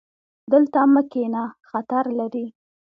دلته مه کښېنه، خطر لري